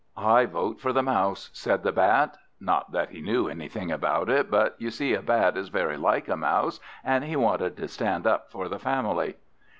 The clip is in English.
"I vote for the Mouse," said the Bat; not that he knew anything about it, but you see a Bat is very like a Mouse, and he wanted to stand up for the family.